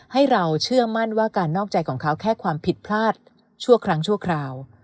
ให้เราเชื่อมั่นว่าการนอกใจของเขาแค่ความผิดพลาดชั่วครั้งชั่วคราว